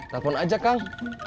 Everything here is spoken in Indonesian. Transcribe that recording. telepon aja kang